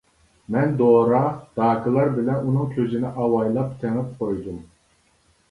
مەن دورا، داكىلار بىلەن ئۇنىڭ كۆزىنى ئاۋايلاپ تېڭىپ قويدۇم.